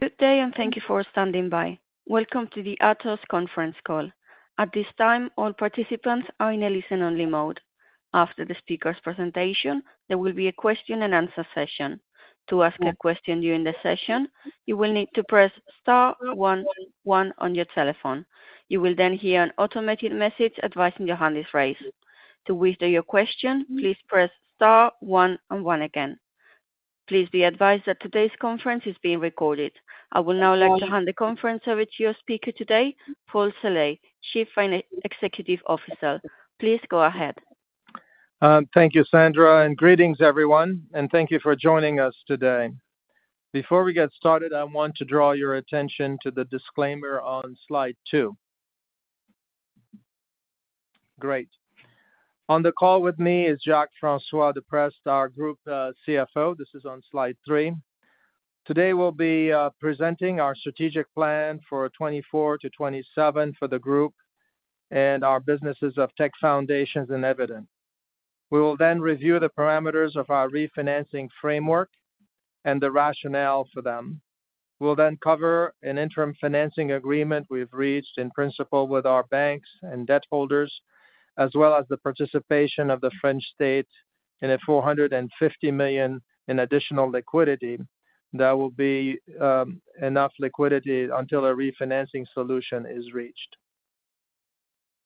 Good day and thank you for standing by. Welcome to the Atos conference call. At this time, all participants are in a listen-only mode. After the speaker's presentation, there will be a question-and-answer session. To ask a question during the session, you will need to press star one one on your telephone. You will then hear an automated message advising you hand is raised. To whisper your question, please press star one and one again. Please be advised that today's conference is being recorded. I will now like to hand the conference over to your speaker today, Paul Saleh, Chief Executive Officer. Please go ahead. Thank you, Sandra, and greetings, everyone, and thank you for joining us today. Before we get started, I want to draw your attention to the disclaimer on slide two. Great. On the call with me is Jacques-François de Prest, our Group CFO. This is on slide three. Today we'll be presenting our strategic plan for 2024 to 2027 for the group and our businesses of Tech Foundations and Eviden. We will then review the parameters of our refinancing framework and the rationale for them. We'll then cover an interim financing agreement we've reached in principle with our banks and debt holders, as well as the participation of the French state in a 450 million in additional liquidity that will be enough liquidity until a refinancing solution is reached.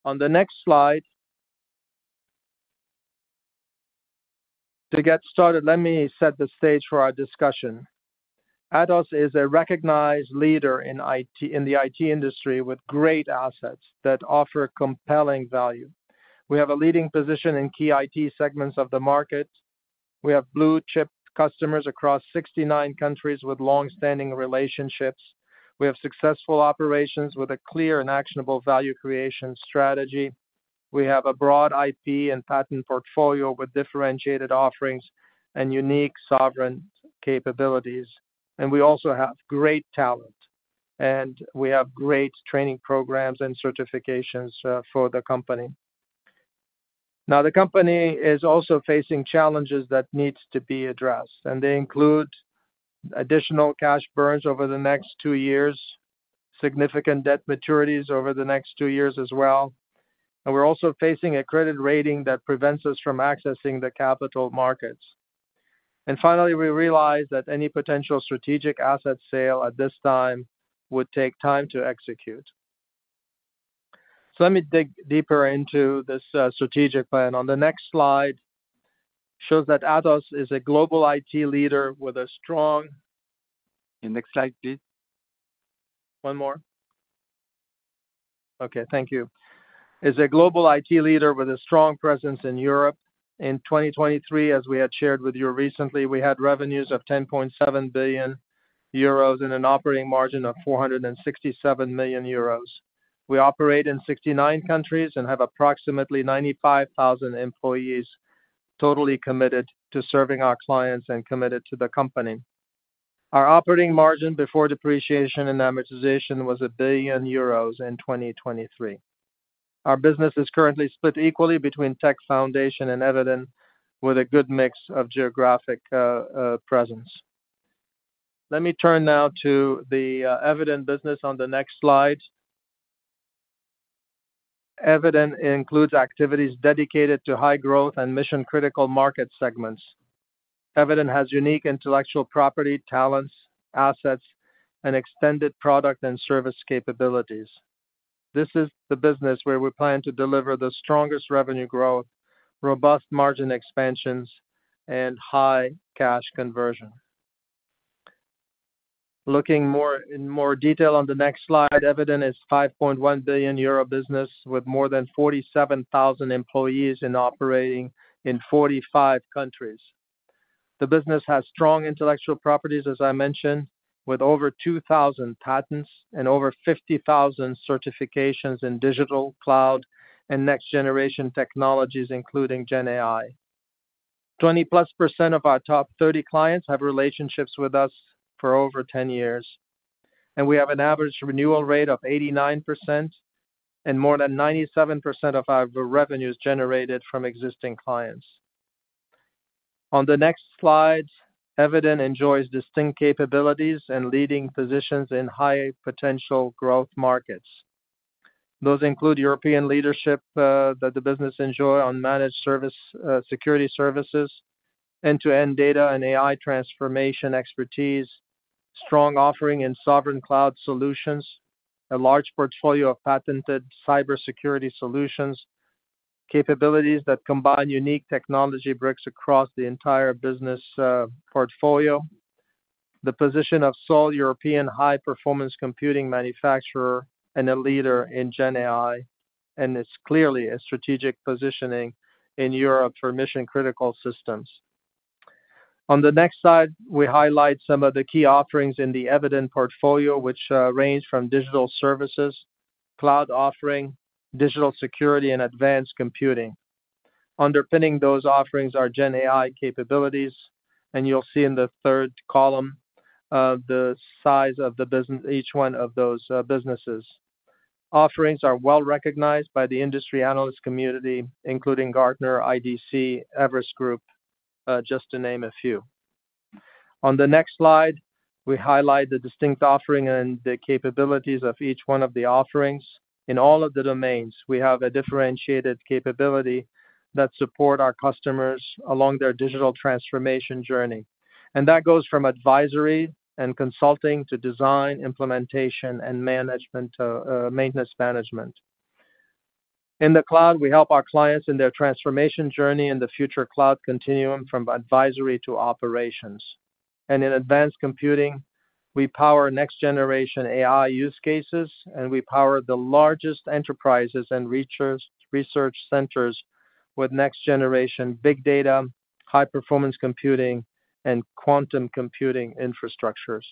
On the next slide, to get started, let me set the stage for our discussion. Atos is a recognized leader in IT in the IT industry, with great assets that offer compelling value. We have a leading position in key IT segments of the market. We have blue-chip customers across 69 countries with longstanding relationships. We have successful operations with a clear and actionable value creation strategy. We have a broad IP and patent portfolio with differentiated offerings and unique sovereign capabilities. We also have great talent, and we have great training programs and certifications, for the company. Now, the company is also facing challenges that need to be addressed, and they include additional cash burns over the next two years, significant debt maturities over the next two years as well. We're also facing a credit rating that prevents us from accessing the capital markets. Finally, we realize that any potential strategic asset sale at this time would take time to execute. Let me dig deeper into this strategic plan. On the next slide shows that Atos is a global IT leader with a strong. Next slide, please. One more. Okay, thank you. Is a global IT leader with a strong presence in Europe. In 2023, as we had shared with you recently, we had revenues of 10.7 billion euros and an operating margin of 467 million euros. We operate in 69 countries and have approximately 95,000 employees totally committed to serving our clients and committed to the company. Our operating margin before depreciation and amortization was 1 billion euros in 2023. Our business is currently split equally between Tech Foundations and Eviden with a good mix of geographic presence. Let me turn now to the Eviden business on the next slide. Eviden includes activities dedicated to high-growth and mission-critical market segments. Eviden has unique intellectual property, talents, assets, and extended product and service capabilities. This is the business where we plan to deliver the strongest revenue growth, robust margin expansions, and high cash conversion. Looking in more detail on the next slide, Eviden is a 5.1 billion euro business with more than 47,000 employees operating in 45 countries. The business has strong intellectual properties, as I mentioned, with over 2,000 patents and over 50,000 certifications in digital, cloud, and next-generation technologies, including GenAI. 20+% of our top 30 clients have relationships with us for over 10 years, and we have an average renewal rate of 89% and more than 97% of our revenues generated from existing clients. On the next slide, Eviden enjoys distinct capabilities and leading positions in high-potential growth markets. Those include European leadership that the business enjoys on managed service, security services, end-to-end data and AI transformation expertise, strong offering in sovereign cloud solutions, a large portfolio of patented cybersecurity solutions, capabilities that combine unique technology bricks across the entire business portfolio, the position of sole European high-performance computing manufacturer and a leader in GenAI, and it's clearly a strategic positioning in Europe for mission-critical systems. On the next slide, we highlight some of the key offerings in the Eviden portfolio, which range from digital services, cloud offering, digital security, and advanced computing. Underpinning those offerings are GenAI capabilities, and you'll see in the third column the size of the business each one of those businesses. Offerings are well recognized by the industry analyst community, including Gartner, IDC, Everest Group, just to name a few. On the next slide, we highlight the distinct offering and the capabilities of each one of the offerings. In all of the domains, we have a differentiated capability that supports our customers along their digital transformation journey, and that goes from advisory and consulting to design, implementation, and management, maintenance management. In the cloud, we help our clients in their transformation journey in the future cloud continuum from advisory to operations. In advanced computing, we power next-generation AI use cases, and we power the largest enterprises and research centers with next-generation big data, high-performance computing, and quantum computing infrastructures.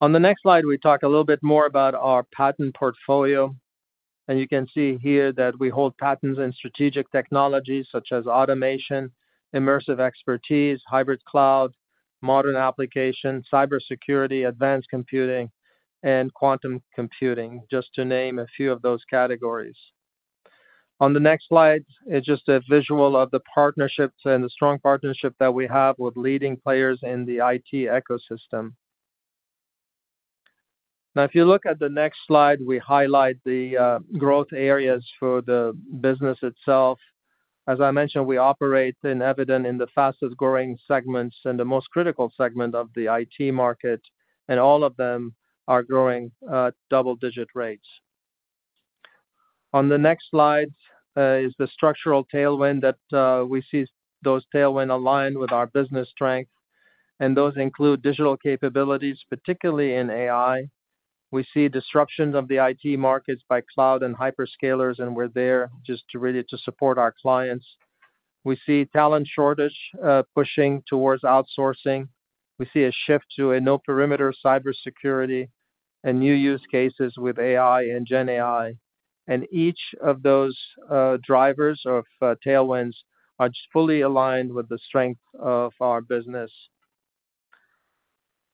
On the next slide, we talk a little bit more about our patent portfolio, and you can see here that we hold patents in strategic technologies such as automation, immersive expertise, hybrid cloud, modern application, cybersecurity, advanced computing, and quantum computing, just to name a few of those categories. On the next slide, it's just a visual of the partnerships and the strong partnership that we have with leading players in the IT ecosystem. Now, if you look at the next slide, we highlight the growth areas for the business itself. As I mentioned, we operate in Eviden in the fastest-growing segments and the most critical segment of the IT market, and all of them are growing double-digit rates. On the next slide is the structural tailwind that we see. Those tailwinds align with our business strength, and those include digital capabilities, particularly in AI. We see disruptions of the IT markets by cloud and hyperscalers, and we're there just to really support our clients. We see talent shortage, pushing towards outsourcing. We see a shift to a no-perimeter cybersecurity and new use cases with AI and GenAI, and each of those, drivers of, tailwinds are just fully aligned with the strength of our business.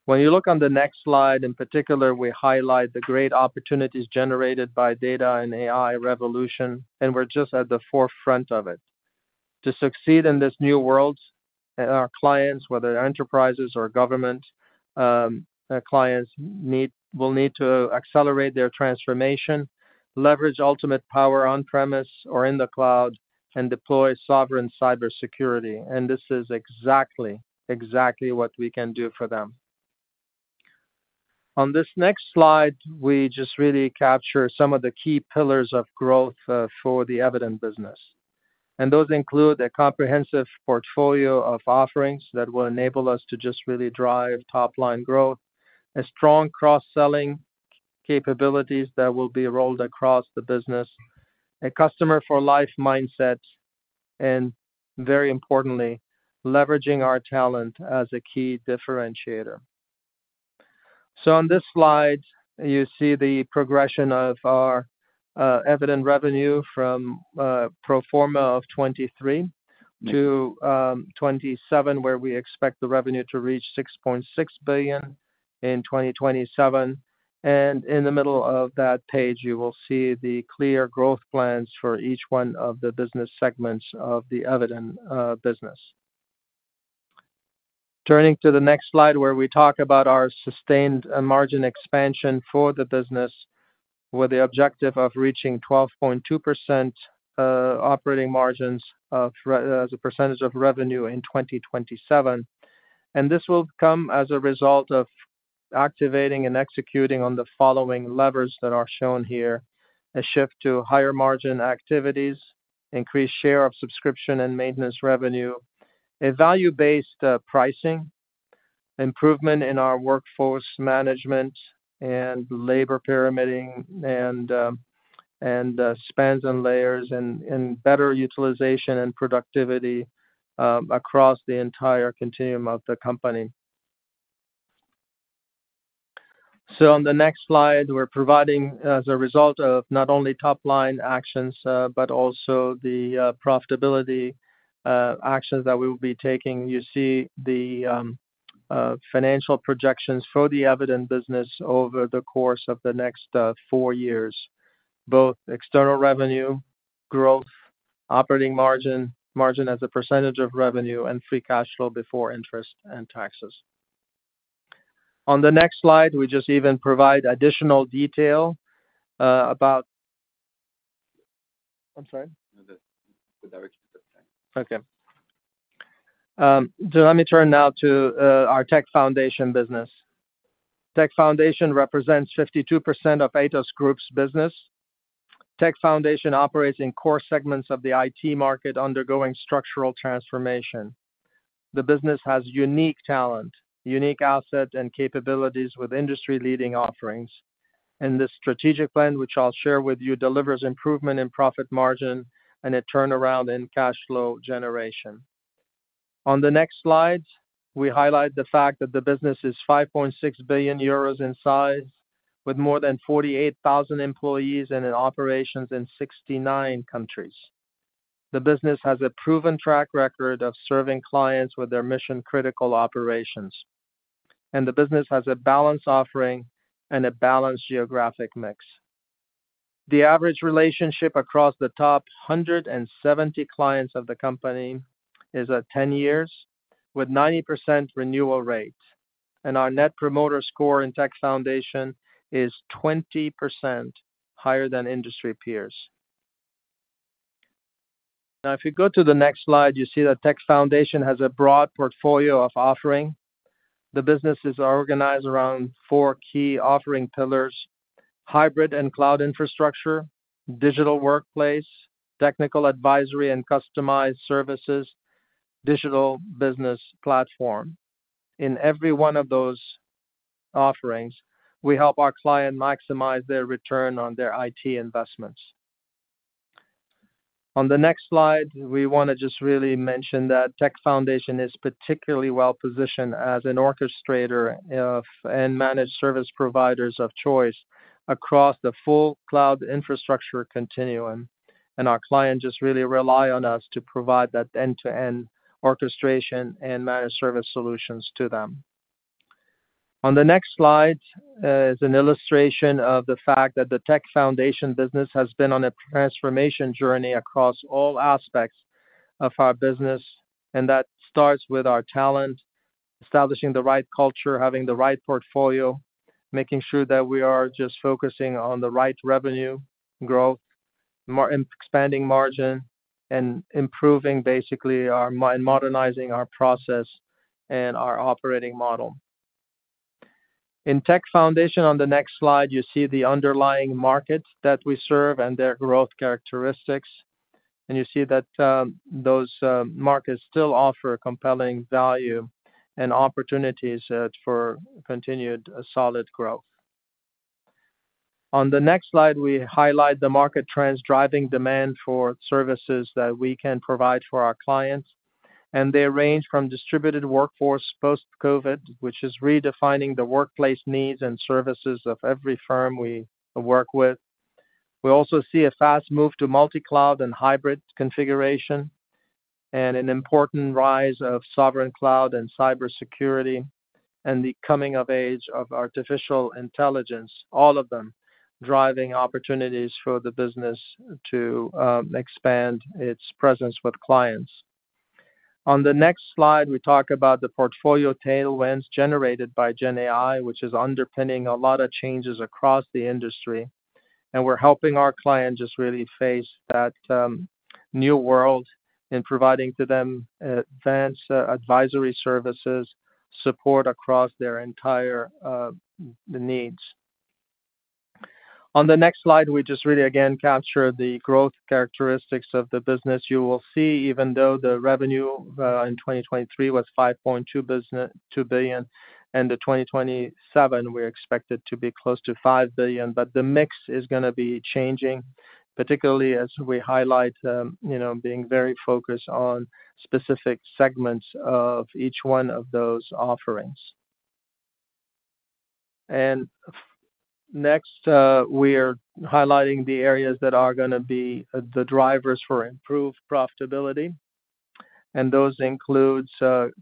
When you look on the next slide, in particular, we highlight the great opportunities generated by data and AI revolution, and we're just at the forefront of it. To succeed in this new world, our clients, whether enterprises or government, clients need will need to accelerate their transformation, leverage ultimate power on-premise or in the cloud, and deploy sovereign cybersecurity, and this is exactly, exactly what we can do for them. On this next slide, we just really capture some of the key pillars of growth, for the Eviden business, and those include a comprehensive portfolio of offerings that will enable us to just really drive top-line growth, a strong cross-selling capabilities that will be rolled across the business, a customer-for-life mindset, and very importantly, leveraging our talent as a key differentiator. So on this slide, you see the progression of our, Eviden revenue from, pro forma of 2023 to, 2027, where we expect the revenue to reach 6.6 billion in 2027, and in the middle of that page, you will see the clear growth plans for each one of the business segments of the Eviden, business. Turning to the next slide, where we talk about our sustained margin expansion for the business with the objective of reaching 12.2% operating margin as a percentage of revenue in 2027, and this will come as a result of activating and executing on the following levers that are shown here: a shift to higher margin activities, increased share of subscription and maintenance revenue, a value-based pricing, improvement in our workforce management and labor pyramiding, spans and layers, and better utilization and productivity, across the entire continuum of the company. So on the next slide, we're providing, as a result of not only top-line actions, but also the profitability actions that we will be taking, you see the financial projections for the Eviden business over the course of the next four years, both external revenue growth, operating margin, margin as a percentage of revenue, and free cash flow before interest and taxes. On the next slide, we just even provide additional detail about. I'm sorry? No, that's the direction of the slide. Okay. So let me turn now to our Tech Foundations business. Tech Foundations represents 52% of Atos Group's business. Tech Foundations operates in core segments of the IT market undergoing structural transformation. The business has unique talent, unique assets, and capabilities with industry-leading offerings, and this strategic plan, which I'll share with you, delivers improvement in profit margin and a turnaround in cash flow generation. On the next slide, we highlight the fact that the business is 5.6 billion euros in size with more than 48,000 employees and in operations in 69 countries. The business has a proven track record of serving clients with their mission-critical operations, and the business has a balanced offering and a balanced geographic mix. The average relationship across the top 170 clients of the company is at 10 years with 90% renewal rate, and our Net Promoter Score in Tech Foundations is 20% higher than industry peers. Now, if you go to the next slide, you see that Tech Foundations has a broad portfolio of offerings. The business is organized around four key offering pillars: hybrid and cloud infrastructure, digital workplace, technical advisory and customized services, digital business platform. In every one of those offerings, we help our clients maximize their return on their IT investments. On the next slide, we want to just really mention that Tech Foundations is particularly well-positioned as an orchestrator and managed service provider of choice across the full cloud infrastructure continuum, and our clients just really rely on us to provide that end-to-end orchestration and managed service solutions to them. On the next slide is an illustration of the fact that the Tech Foundations business has been on a transformation journey across all aspects of our business, and that starts with our talent, establishing the right culture, having the right portfolio, making sure that we are just focusing on the right revenue growth, more expanding margin, and improving basically our and modernizing our process and our operating model. In Tech Foundations, on the next slide, you see the underlying market that we serve and their growth characteristics, and you see that those markets still offer compelling value and opportunities for continued solid growth. On the next slide, we highlight the market trends driving demand for services that we can provide for our clients, and they range from distributed workforce post-COVID, which is redefining the workplace needs and services of every firm we work with. We also see a fast move to multicloud and hybrid configuration and an important rise of sovereign cloud and cybersecurity and the coming of age of artificial intelligence, all of them driving opportunities for the business to expand its presence with clients. On the next slide, we talk about the portfolio tailwinds generated by GenAI, which is underpinning a lot of changes across the industry, and we're helping our clients just really face that new world in providing to them advanced advisory services, support across their entire needs. On the next slide, we just really again capture the growth characteristics of the business. You will see, even though the revenue in 2023 was 5.2 billion and in 2027 we're expected to be close to 5 billion, but the mix is going to be changing, particularly as we highlight, you know, being very focused on specific segments of each one of those offerings. Next, we are highlighting the areas that are going to be the drivers for improved profitability, and those include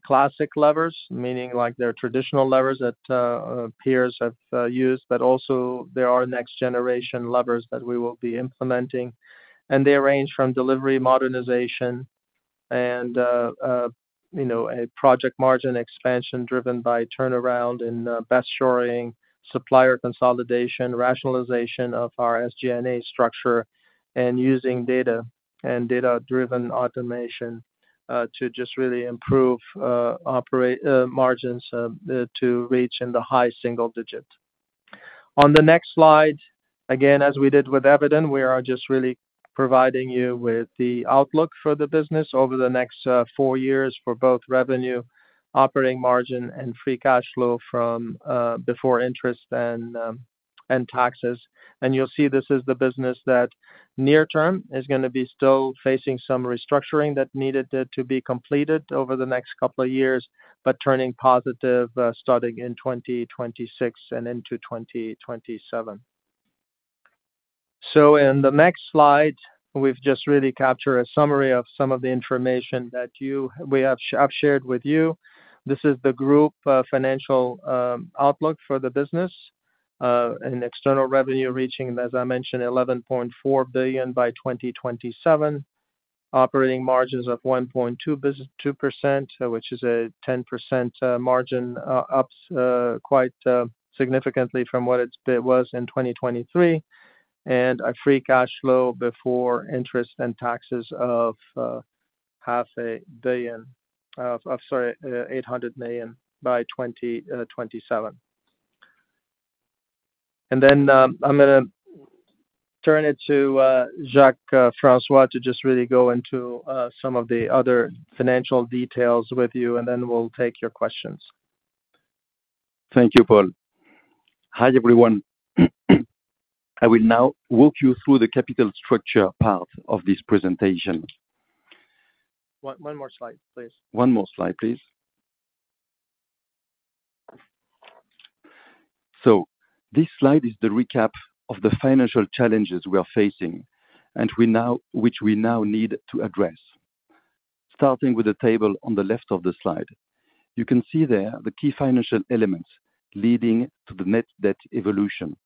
classic levers, meaning like their traditional levers that peers have used, but also there are next-generation levers that we will be implementing, and they range from delivery modernization, and, you know, a project margin expansion driven by turnaround in best shoring, supplier consolidation, rationalization of our SG&A structure, and using data and data-driven automation to just really improve operating margins to reach in the high single digits. On the next slide, again, as we did with Eviden, we are just really providing you with the outlook for the business over the next four years for both revenue, operating margin, and free cash flow before interest and taxes, and you'll see this is the business that near-term is going to be still facing some restructuring that needed to be completed over the next couple of years, but turning positive, starting in 2026 and into 2027. So in the next slide, we've just really captured a summary of some of the information that we have shared with you. This is the group financial outlook for the business, and external revenue reaching, as I mentioned, 11.4 billion by 2027, operating margins of 1.2%, which is a 10% margin up quite significantly from what it was in 2023, and a free cash flow before interest and taxes of 500 million. I'm sorry, 800 million by 2027. Then I'm going to turn it to Jacques-François to just really go into some of the other financial details with you, and then we'll take your questions. Thank you, Paul. Hi everyone. I will now walk you through the capital structure part of this presentation. One more slide, please. One more slide, please. This slide is the recap of the financial challenges we are facing, and which we now need to address, starting with the table on the left of the slide. You can see there the key financial elements leading to the net debt evolution.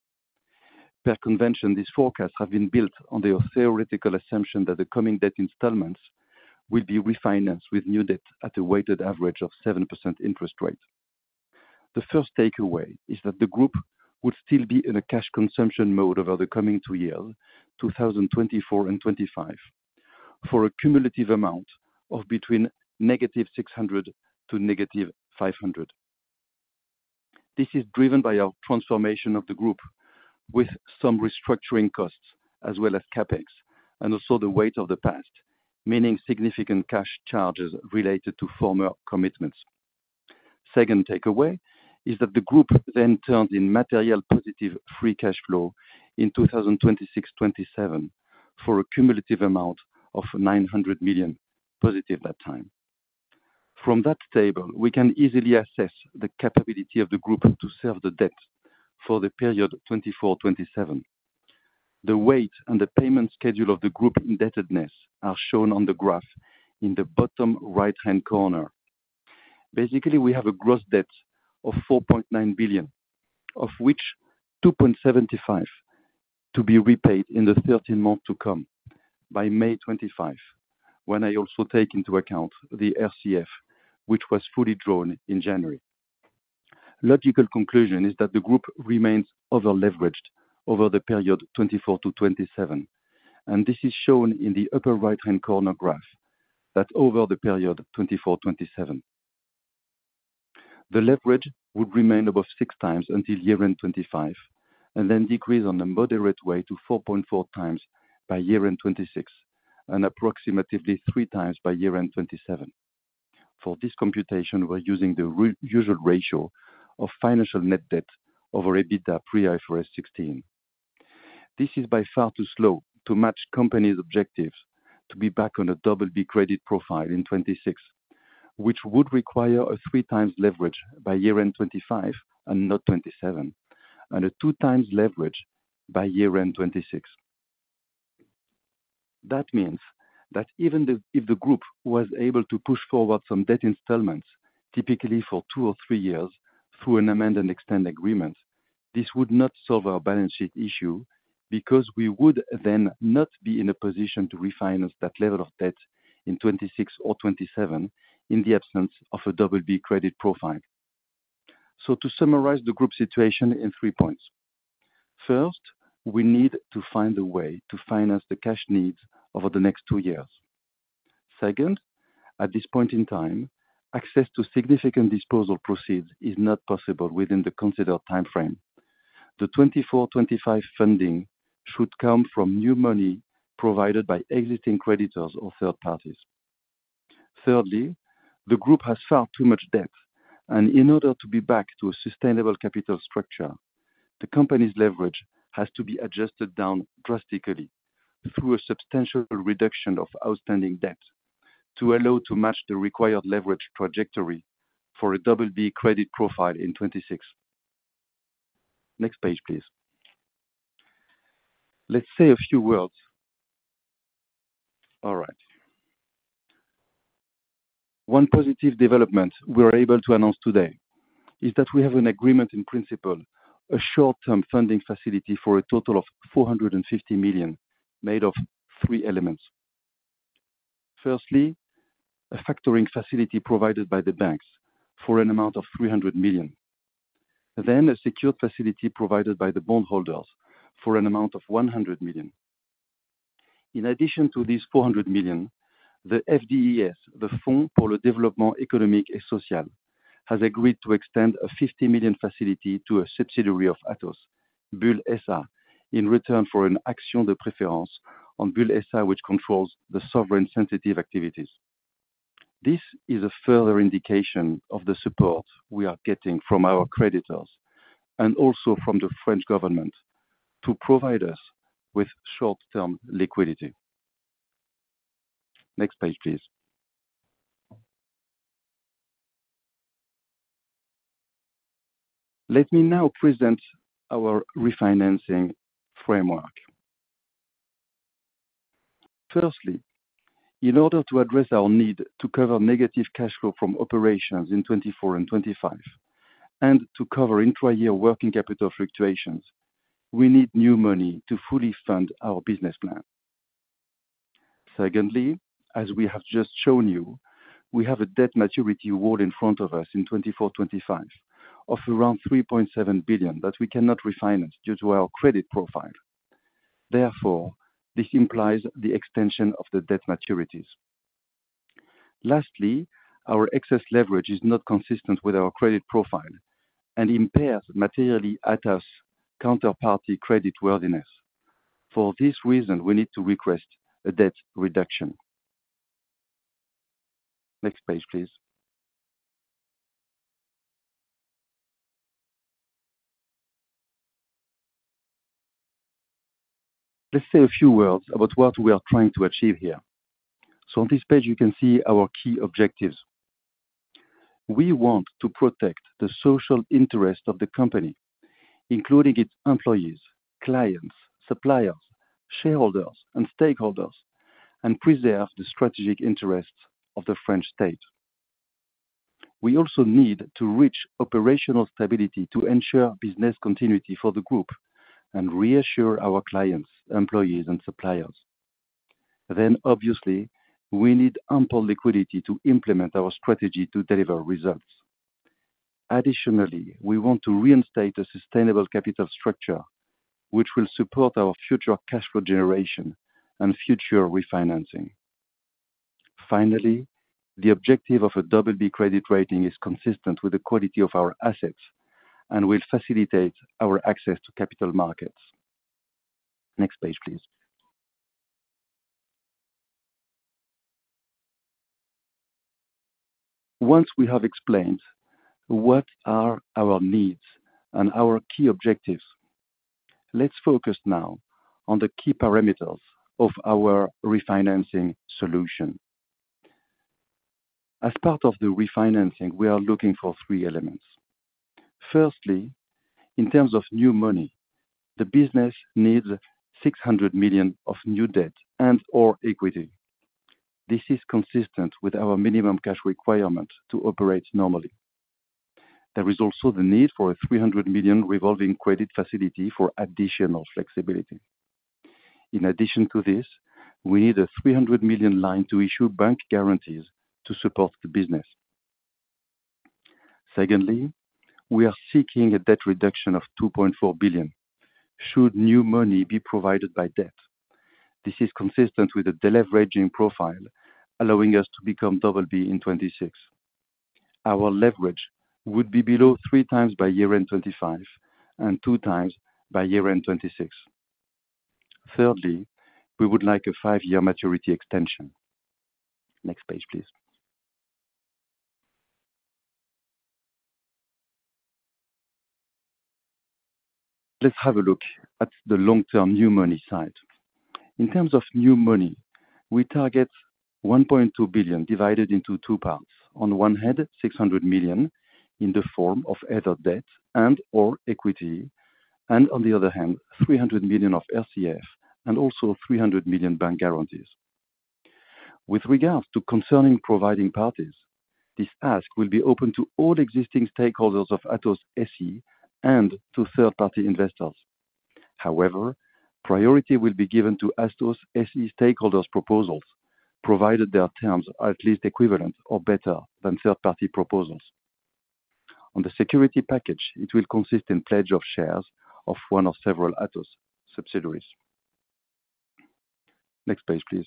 Per convention, these forecasts have been built on the theoretical assumption that the coming debt installments will be refinanced with new debt at a weighted average of 7% interest rate. The first takeaway is that the group would still be in a cash consumption mode over the coming two years, 2024 and 2025, for a cumulative amount of between -600 million--500 million. This is driven by our transformation of the group with some restructuring costs as well as CapEx, and also the weight of the past, meaning significant cash charges related to former commitments. Second takeaway is that the group then turns in material positive free cash flow in 2026-2027 for a cumulative amount of 900 million, positive that time. From that table, we can easily assess the capability of the group to serve the debt for the period 2024-2027. The weight and the payment schedule of the group indebtedness are shown on the graph in the bottom right-hand corner. Basically, we have a gross debt of 4.9 billion, of which 2.75 billion to be repaid in the 13 months to come by May 2025, when I also take into account the RCF, which was fully drawn in January. Logical conclusion is that the group remains over-leveraged over the period 2024-2027, and this is shown in the upper right-hand corner graph that over the period 2024-2027. The leverage would remain above 6x until year-end 2025, and then decrease on a moderate way to 4.4x by year-end 2026, and approximately 3x by year-end 2027. For this computation, we're using the usual ratio of financial net debt over EBITDA pre-IFRS 16. This is by far too slow to match companies' objectives to be back on a BB credit profile in 2026, which would require a 3x leverage by year-end 2025 and not 2027, and a 2x leverage by year-end 2026. That means that even if the group was able to push forward some debt installments, typically for two or three years, through an amend and extend agreement, this would not solve our balance sheet issue because we would then not be in a position to refinance that level of debt in 2026 or 2027 in the absence of a BB credit profile. So to summarize the group situation in three points: first, we need to find a way to finance the cash needs over the next two years. Second, at this point in time, access to significant disposal proceeds is not possible within the considered timeframe. The 2024-2025 funding should come from new money provided by existing creditors or third parties; thirdly, the group has far too much debt, and in order to be back to a sustainable capital structure, the company's leverage has to be adjusted down drastically through a substantial reduction of outstanding debt to allow to match the required leverage trajectory for a BB credit profile in 2026. Next page, please. Let's say a few words. All right. One positive development we are able to announce today is that we have an agreement in principle, a short-term funding facility for a total of 450 million made of three elements. Firstly, a factoring facility provided by the banks for an amount of 300 million, then a secured facility provided by the bondholders for an amount of 100 million. In addition to these 400 million, the FDES, the Fonds pour le développement économique et social, has agreed to extend a 50 million facility to a subsidiary of Atos, Bull SA, in return for an action de préférence on Bull SA which controls the sovereign sensitive activities. This is a further indication of the support we are getting from our creditors and also from the French government to provide us with short-term liquidity. Next page, please. Let me now present our refinancing framework. Firstly, in order to address our need to cover negative cash flow from operations in 2024 and 2025, and to cover intra-year working capital fluctuations, we need new money to fully fund our business plan. Secondly, as we have just shown you, we have a debt maturity wall in front of us in 2024-2025 of around 3.7 billion that we cannot refinance due to our credit profile. Therefore, this implies the extension of the debt maturities. Lastly, our excess leverage is not consistent with our credit profile and impairs materially Atos' counterparty creditworthiness. For this reason, we need to request a debt reduction. Next page, please. Let's say a few words about what we are trying to achieve here. So on this page, you can see our key objectives. We want to protect the social interests of the company, including its employees, clients, suppliers, shareholders, and stakeholders, and preserve the strategic interests of the French state. We also need to reach operational stability to ensure business continuity for the group and reassure our clients, employees, and suppliers. Then, obviously, we need ample liquidity to implement our strategy to deliver results. Additionally, we want to reinstate a sustainable capital structure, which will support our future cash flow generation and future refinancing. Finally, the objective of a BB credit rating is consistent with the quality of our assets and will facilitate our access to capital markets. Next page, please. Once we have explained what are our needs and our key objectives, let's focus now on the key parameters of our refinancing solution. As part of the refinancing, we are looking for three elements. Firstly, in terms of new money, the business needs 600 million of new debt and/or equity. This is consistent with our minimum cash requirement to operate normally. There is also the need for a 300 million revolving credit facility for additional flexibility. In addition to this, we need a 300 million line to issue bank guarantees to support the business. Secondly, we are seeking a debt reduction of 2.4 billion should new money be provided by debt. This is consistent with a deleveraging profile allowing us to become BB in 2026. Our leverage would be below 3x by year-end 2025 and 2x by year-end 2026. Thirdly, we would like a five-year maturity extension. Next page, please. Let's have a look at the long-term new money side. In terms of new money, we target 1.2 billion divided into two parts. On one hand, 600 million in the form of other debt and/or equity, and on the other hand, 300 million of RCF and also 300 million bank guarantees. With regards to concerning providing parties, this ask will be open to all existing stakeholders of Atos SE and to third-party investors. However, priority will be given to Atos SE stakeholders' proposals, provided their terms are at least equivalent or better than third-party proposals. On the security package, it will consist in pledge of shares of one or several Atos subsidiaries. Next page, please.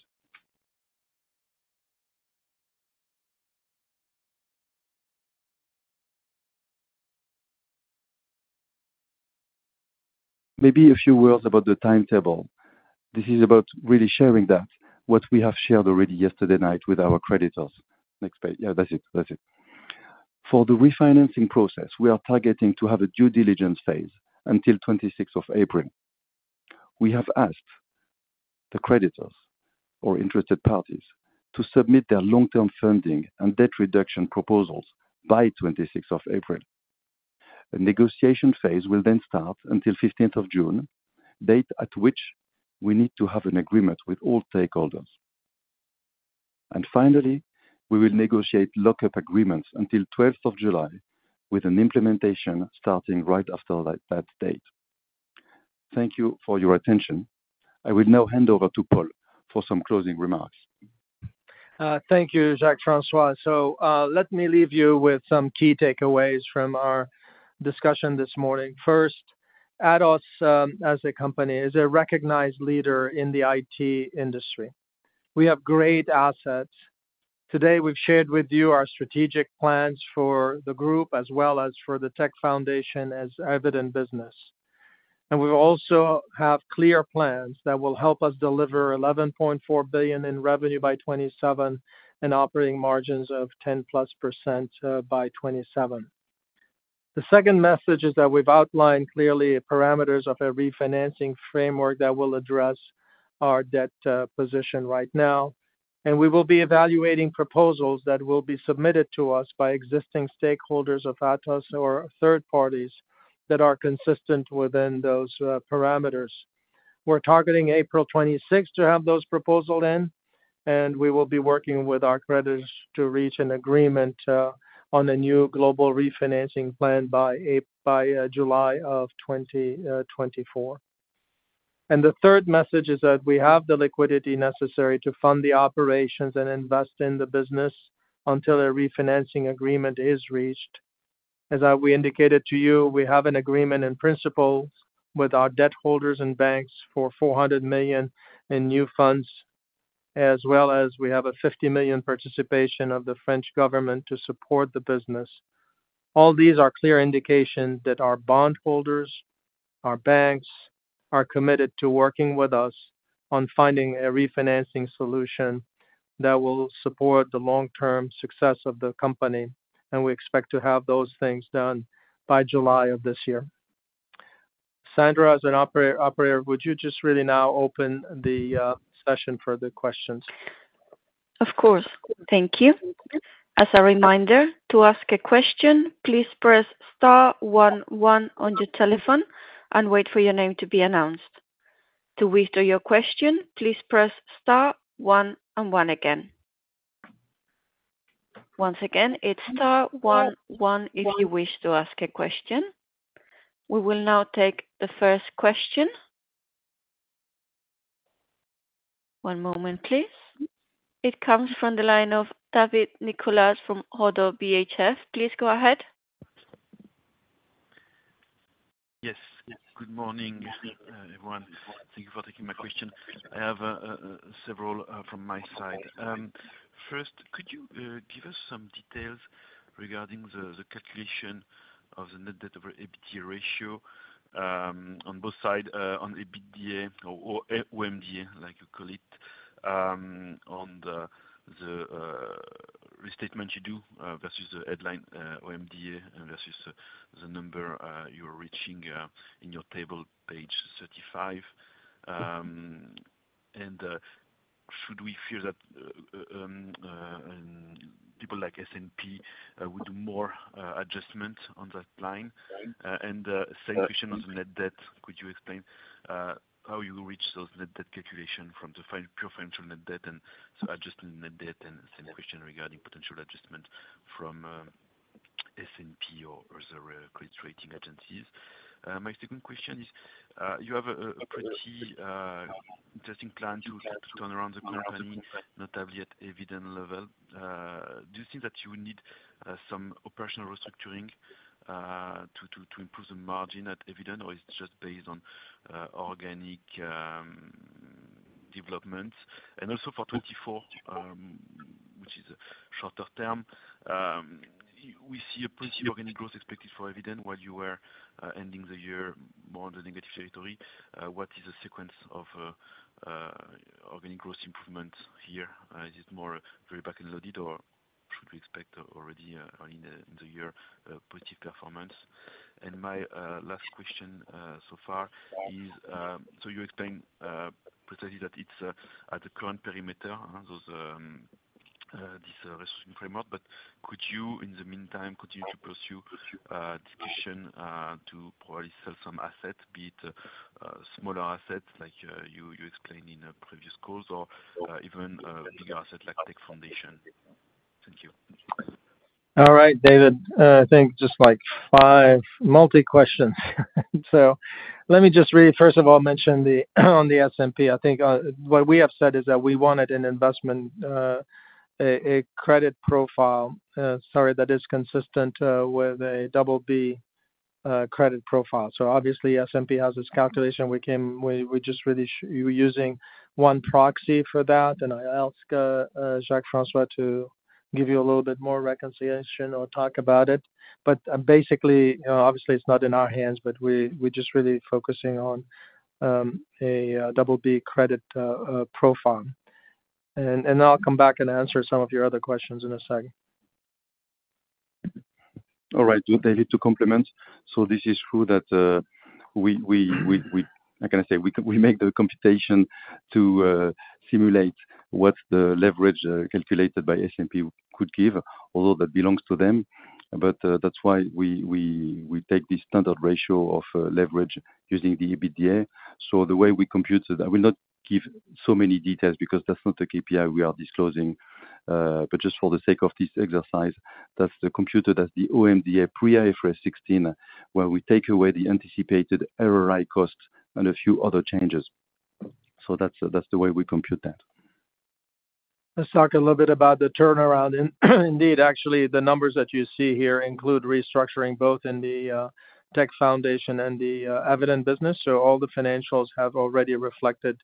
Maybe a few words about the timetable. This is about really sharing what we have shared already yesterday night with our creditors. Next page. Yeah, that's it. That's it. For the refinancing process, we are targeting to have a due diligence phase until April 26. We have asked the creditors or interested parties to submit their long-term funding and debt reduction proposals by April 26. A negotiation phase will then start until June 15, date at which we need to have an agreement with all stakeholders. And finally, we will negotiate lockup agreements until July 12 with an implementation starting right after that date. Thank you for your attention. I will now hand over to Paul for some closing remarks. Thank you, Jacques-François. So let me leave you with some key takeaways from our discussion this morning. First, Atos as a company is a recognized leader in the IT industry. We have great assets. Today, we've shared with you our strategic plans for the group as well as for the Tech Foundations as Eviden business. We also have clear plans that will help us deliver 11.4 billion in revenue by 2027 and operating margins of 10%+ by 2027. The second message is that we've outlined clearly parameters of a refinancing framework that will address our debt position right now. We will be evaluating proposals that will be submitted to us by existing stakeholders of Atos or third parties that are consistent within those parameters. We're targeting April 26 to have those proposals in, and we will be working with our creditors to reach an agreement on a new global refinancing plan by July of 2024. The third message is that we have the liquidity necessary to fund the operations and invest in the business until a refinancing agreement is reached. As we indicated to you, we have an agreement in principle with our debt holders and banks for 400 million in new funds, as well as we have a 50 million participation of the French government to support the business. All these are clear indications that our bondholders, our banks, are committed to working with us on finding a refinancing solution that will support the long-term success of the company, and we expect to have those things done by July of this year. Sandra, as an operator, would you just really now open the session for the questions? Of course. Thank you. As a reminder, to ask a question, please press star one one on your telephone and wait for your name to be announced. To whisper your question, please press star one and one again. Once again, it's star one one if you wish to ask a question. We will now take the first question. One moment, please. It comes from the line of David Nicolas from ODDO BHF. Please go ahead. Yes. Good morning, everyone. Thank you for taking my question. I have several from my side. First, could you give us some details regarding the calculation of the net debt over EBITDA ratio on both sides, on EBITDA or OMDA, like you call it, on the restatement you do versus the headline OMDA versus the number you're reaching in your table page 35? And should we fear that people like S&P would do more adjustments on that line? And same question on the net debt. Could you explain how you reach those net debt calculations from the pure financial net debt and adjusting net debt and same question regarding potential adjustment from S&P or other credit rating agencies? My second question is, you have a pretty interesting plan to turn around the company, notably at Eviden level. Do you think that you need some operational restructuring to improve the margin at Eviden, or is it just based on organic development? Also for 2024, which is a shorter term, we see a positive organic growth expected for Eviden while you were ending the year more on the negative territory. What is the sequence of organic growth improvement here? Is it more very back-loaded, or should we expect already in the year positive performance? My last question so far is, you explained precisely that it's at the current perimeter, this restructuring framework, but could you, in the meantime, continue to pursue discussions to probably sell some assets, be it smaller assets like you explained in previous calls, or even bigger assets like Tech Foundations? Thank you. All right, David. I think just like five multi-questions. So let me just really, first of all, mention on the S&P. I think what we have said is that we wanted an investment credit profile, sorry, that is consistent with a BB credit profile. So obviously, S&P has its calculation. We're just really using one proxy for that, and I'll ask Jacques-François to give you a little bit more reconciliation or talk about it. But basically, obviously, it's not in our hands, but we're just really focusing on a BB credit profile. And I'll come back and answer some of your other questions in a second. All right. David, to complement, so this is true that we—how can I say?—we make the computation to simulate what the leverage calculated by S&P could give, although that belongs to them. But that's why we take this standard ratio of leverage using the EBITDA. So the way we compute it, I will not give so many details because that's not the KPI we are disclosing. But just for the sake of this exercise, that's the computation that's the OMDA pre-IFRS 16, where we take away the anticipated onerous cost and a few other changes. So that's the way we compute that. Let's talk a little bit about the turnaround. Indeed, actually, the numbers that you see here include restructuring both in the Tech Foundations and the Eviden business. So all the financials have already reflected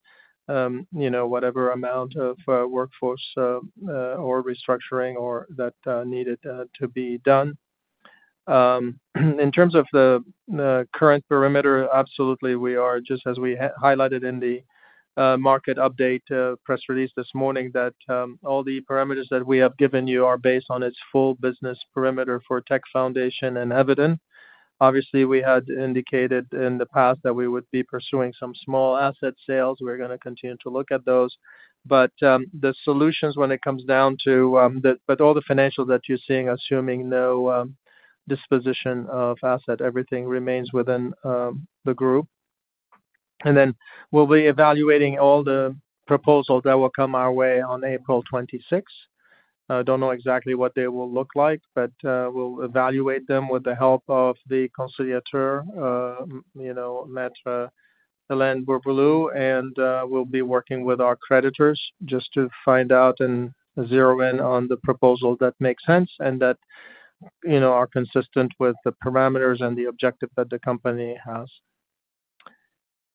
whatever amount of workforce or restructuring that needed to be done. In terms of the current perimeter, absolutely, we are just as we highlighted in the market update press release this morning that all the parameters that we have given you are based on its full business perimeter for Tech Foundations and Eviden. Obviously, we had indicated in the past that we would be pursuing some small asset sales. We're going to continue to look at those. But the solutions, when it comes down to but all the financials that you're seeing, assuming no disposition of asset, everything remains within the group. Then we'll be evaluating all the proposals that will come our way on April 26. I don't know exactly what they will look like, but we'll evaluate them with the help of the conciliateur, Maître Hélène Bourbouloux, and we'll be working with our creditors just to find out and zero in on the proposal that makes sense and that are consistent with the parameters and the objective that the company has.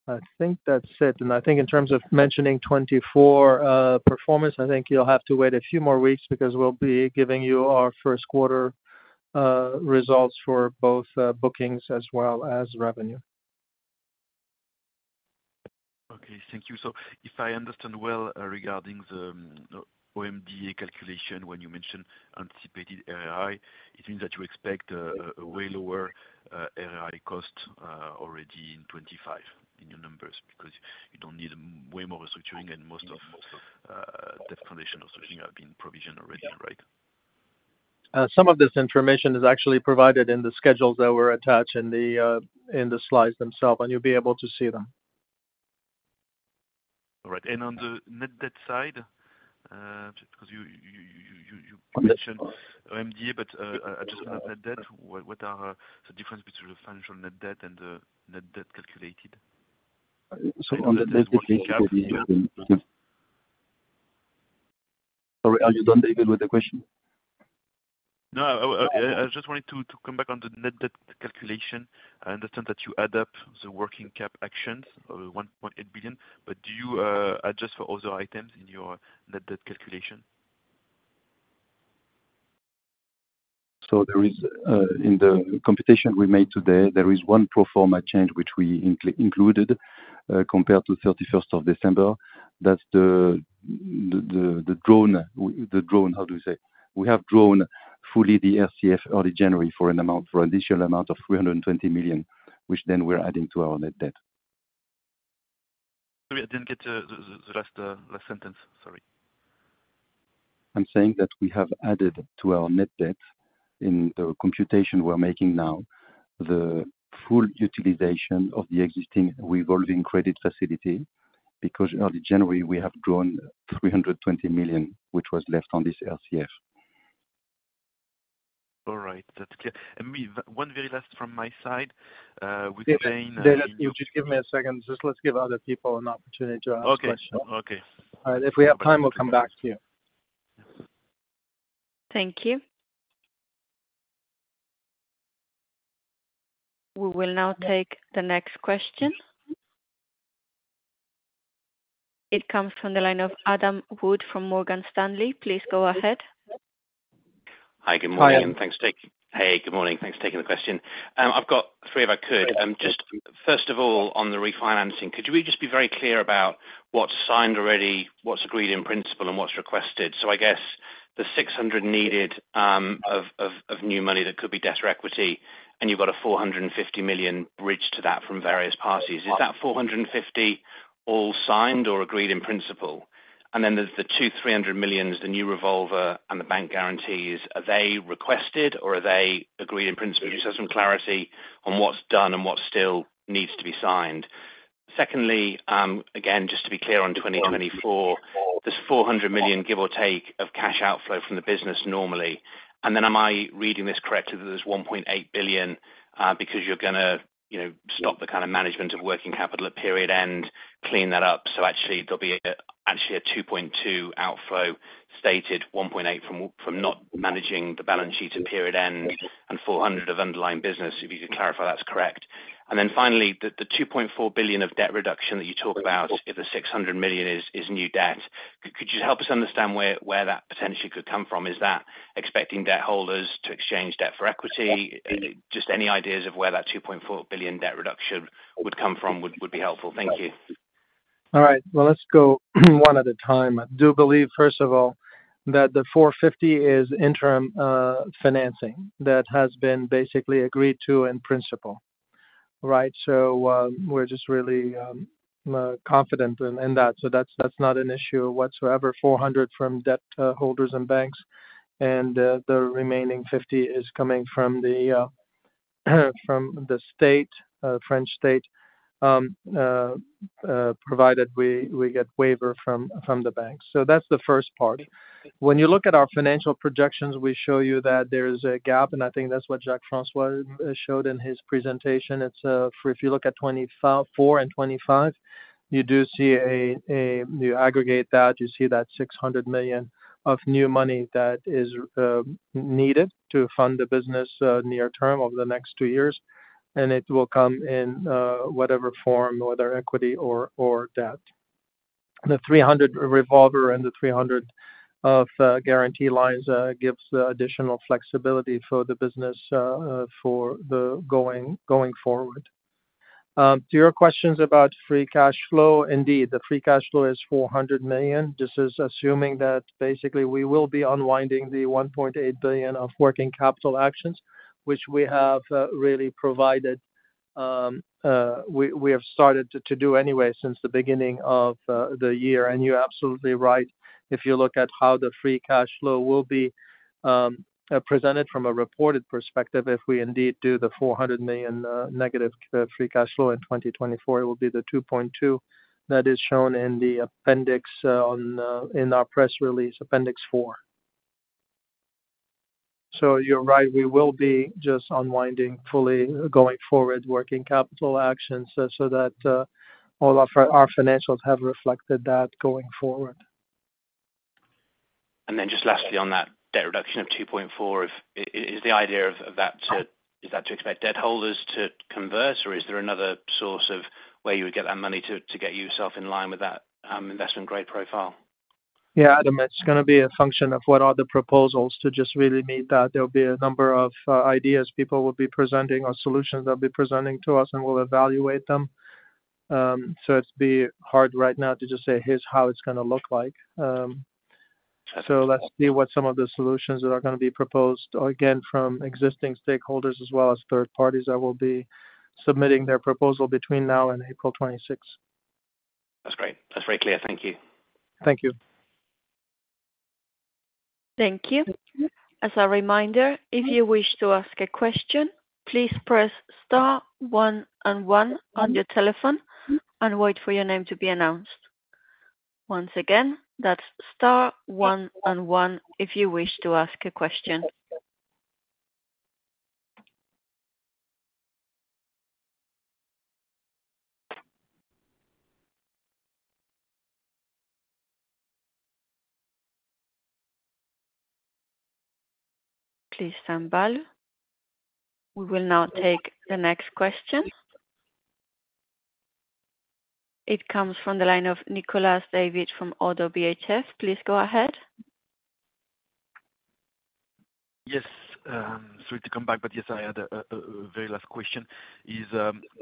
I think that's it. I think in terms of mentioning 2024 performance, I think you'll have to wait a few more weeks because we'll be giving you our first quarter results for both bookings as well as revenue. Okay. Thank you. So if I understand well regarding the OMDA calculation, when you mentioned anticipated error rate, it means that you expect a way lower error rate cost already in 2025 in your numbers because you don't need way more restructuring and most of Tech Foundations restructuring have been provisioned already, right? Some of this information is actually provided in the schedules that were attached in the slides themselves, and you'll be able to see them. All right. And on the net debt side, because you mentioned OMDA, but adjustment of net debt, what are the differences between the financial net debt and the net debt calculated? So on the net debt calculated. Sorry, are you done, David, with the question? No, I just wanted to come back on the net debt calculation. I understand that you add up the working cap actions of 1.8 billion, but do you adjust for other items in your net debt calculation? So in the computation we made today, there is one pro forma change which we included compared to December 31st. That's the drawn, how do you say? We have drawn fully the RCF early January for an additional amount of 320 million, which then we're adding to our net debt. Sorry, I didn't get the last sentence. Sorry. I'm saying that we have added to our net debt in the computation we're making now the full utilization of the existing revolving credit facility because early January, we have drawn 320 million, which was left on this RCF. All right. That's clear. And one very last from my side. We've gained. David, just give me a second. Just let's give other people an opportunity to ask questions. Okay. Okay. All right. If we have time, we'll come back to you. Thank you. We will now take the next question. It comes from the line of Adam Wood from Morgan Stanley. Please go ahead. Hi. Good morning. And thanks. Hey. Good morning. Thanks for taking the question. I've got three if I could. First of all, on the refinancing, could you just be very clear about what's signed already, what's agreed in principle, and what's requested? So I guess the 600 million needed of new money that could be debt or equity, and you've got a 450 million bridge to that from various parties. Is that 450 million all signed or agreed in principle? And then the 2.3 billion, the new revolver, and the bank guarantees, are they requested, or are they agreed in principle? Just have some clarity on what's done and what still needs to be signed. Secondly, again, just to be clear on 2024, there's 400 million give or take of cash outflow from the business normally. And then am I reading this correctly that there's 1.8 billion because you're going to stop the kind of management of working capital at period end, clean that up? So actually, there'll be actually a 2.2 billion outflow stated, 1.8 billion from not managing the balance sheet at period end, and 400 million of underlying business. If you could clarify that's correct. And then finally, the 2.4 billion of debt reduction that you talk about, if the 600 million is new debt, could you help us understand where that potentially could come from? Is that expecting debt holders to exchange debt for equity? Just any ideas of where that 2.4 billion debt reduction would come from would be helpful. Thank you. All right. Well, let's go one at a time. I do believe, first of all, that the 450 million is interim financing that has been basically agreed to in principle, right? So we're just really confident in that. So that's not an issue whatsoever. 400 million from debt holders and banks, and the remaining 50 million is coming from the state, French state, provided we get waiver from the banks. So that's the first part. When you look at our financial projections, we show you that there is a gap, and I think that's what Jacques-François showed in his presentation. If you look at 2024 and 2025, you do see, you aggregate that, you see that 600 million of new money that is needed to fund the business near term over the next two years, and it will come in whatever form, whether equity or debt. The 300 million revolver and the 300 million of guarantee lines gives additional flexibility for the business going forward. To your questions about free cash flow, indeed, the free cash flow is 400 million. This is assuming that basically we will be unwinding the 1.8 billion of working capital actions, which we have really provided we have started to do anyway since the beginning of the year. You're absolutely right. If you look at how the free cash flow will be presented from a reported perspective, if we indeed do the -400 million free cash flow in 2024, it will be the 2.2 billion that is shown in our press release, appendix four. You're right. We will be just unwinding fully going forward working capital actions so that all our financials have reflected that going forward. Then just lastly on that debt reduction of 2.4, is the idea of that to expect debt holders to convert, or is there another source of where you would get that money to get yourself in line with that investment-grade profile? Yeah, Adam. It's going to be a function of what are the proposals to just really meet that. There'll be a number of ideas people will be presenting or solutions they'll be presenting to us, and we'll evaluate them. So it'd be hard right now to just say, "Here's how it's going to look like." So let's see what some of the solutions that are going to be proposed, again, from existing stakeholders as well as third parties that will be submitting their proposal between now and April 26. That's great. That's very clear. Thank you. Thank you. Thank you. As a reminder, if you wish to ask a question, please press star one and one on your telephone and wait for your name to be announced. Once again, that's star one and one if you wish to ask a question. Please stand by. We will now take the next question. It comes from the line of David Nicolas from Oddo BHF. Please go ahead. Yes. Sorry to come back, but yes, I had a very last question. Is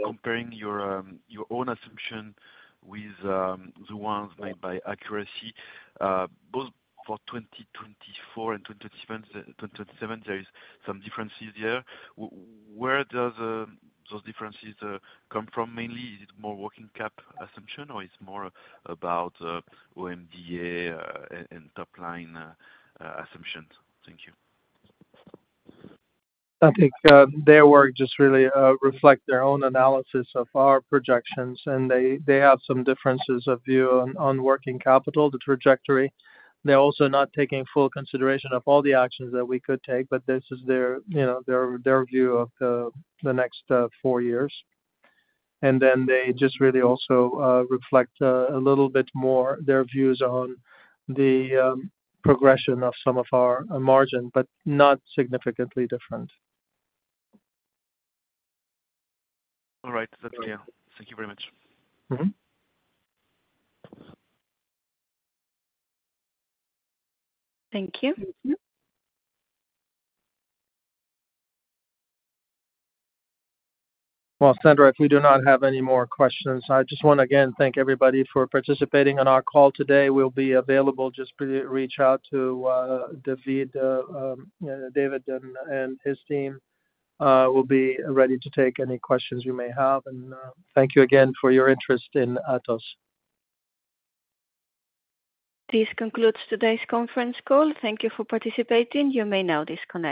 comparing your own assumption with the ones made by Accuracy, both for 2024 and 2027, there is some differences there. Where do those differences come from mainly? Is it more working cap assumption, or it's more about OMDA and top-line assumptions? Thank you. I think their work just really reflects their own analysis of our projections, and they have some differences of view on working capital, the trajectory. They're also not taking full consideration of all the actions that we could take, but this is their view of the next four years. And then they just really also reflect a little bit more their views on the progression of some of our margin, but not significantly different. All right. That's clear. Thank you very much. Thank you. Well, Sandra, if we do not have any more questions, I just want to again thank everybody for participating in our call today. We'll be available. Just reach out to David and his team. We'll be ready to take any questions you may have. Thank you again for your interest in Atos. This concludes today's conference call. Thank you for participating. You may now disconnect.